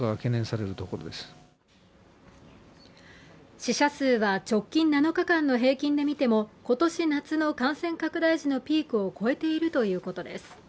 死者数は直近７日間の平均で見ても、今年夏の感染拡大時のピークを超えているということです。